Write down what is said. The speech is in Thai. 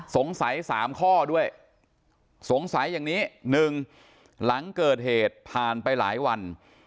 สงสัย๓ข้อด้วยสงสัยอย่างนี้๑หลังเกิดเหตุผ่านไปหลายวัน